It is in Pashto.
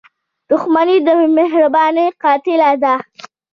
• دښمني د مهربانۍ قاتله ده.